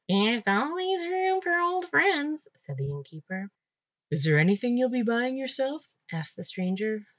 "There's always room for old friends," said the innkeeper. "Is there anything you'll be buying yourself?" asked the stranger.